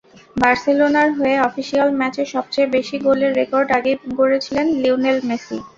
বার্সেলোনার হয়ে অফিশিয়াল ম্যাচে সবচেয়ে বেশি গোলের রেকর্ড আগেই গড়েছিলেন লিওনেল মেসি।